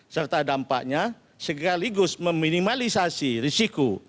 serta dampaknya segaligus meminimalisasi risiko